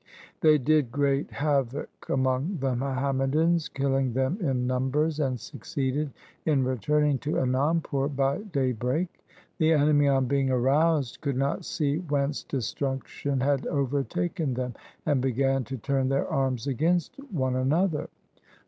They did great havoc among the Muhammadans, killing them in numbers, and succeeded in returning to Anandpur by daybreak. The enemy on being aroused could not see whence destruction had overtaken them, and began to turn their arms against one another.